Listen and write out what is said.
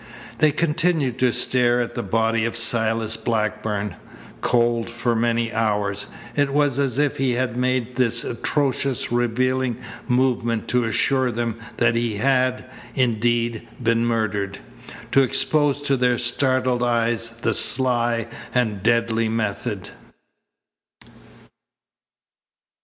They continued to stare at the body of Silas Blackburn. Cold for many hours, it was as if he had made this atrocious revealing movement to assure them that he had, indeed, been murdered; to expose to their startled eyes the sly and deadly method.